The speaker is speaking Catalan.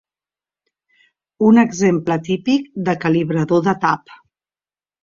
Un exemple típic de calibrador de tap